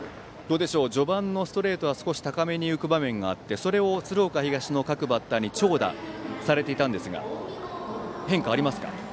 序盤のストレートは少し高めに浮く場面があってそれを、鶴岡東の各バッターに長打されていたんですが変化はありますか？